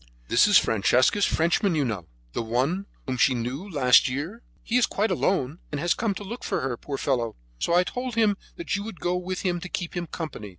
"This is Francesca's Frenchman, you know, the one whom she knew last year. He is quite alone, and has come to look for her, poor fellow; so I told him that you would go with him to keep him company."